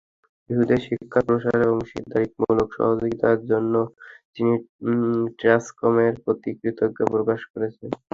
শিশুদের শিক্ষার প্রসারে অংশীদারিমূলক সহযোগিতার জন্য তিনি ট্রান্সকমের প্রতি কৃতজ্ঞতা প্রকাশ করেন।